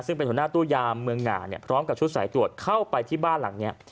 ซึ่งเป็นหัวหน้าตู้ยามเมืองหง่าเนี่ยพร้อมกับชุดสายตรวจเข้าไปที่บ้านหลังนี้